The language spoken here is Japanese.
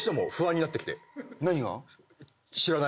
何が？